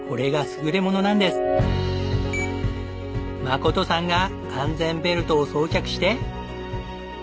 真琴さんが安全ベルトを装着して。